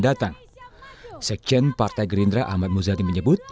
koalisi saya kira itu akan menjadi